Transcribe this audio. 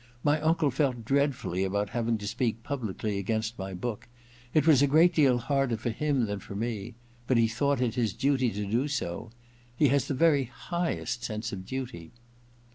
My uncle felt dread fully about having to speak publicly against my book — ^it was a great deal harder for him than for me — but he thought it his duty to do so. He has the very highest sense of duty.'